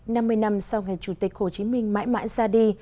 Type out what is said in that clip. năm mươi năm sau ngày chủ tịch hồ chí minh mãi mãi ra đi